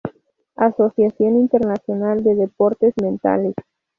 Asociación Internacional de Deportes Mentales